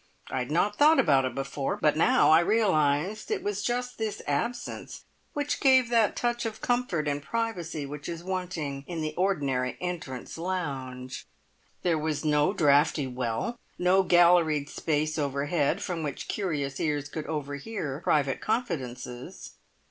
I had not thought about it before, but now I realised that it was just this absence which gave that touch of comfort and privacy which is wanting in the ordinary entrance "lounge". There was no draughty well, no galleried space overhead, from which curious ears could overhear private confidences.